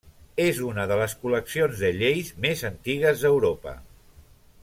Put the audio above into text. És una de les col·leccions de lleis més antigues d'Europa.